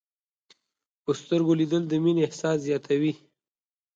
په سترګو لیدل د مینې احساس زیاتوي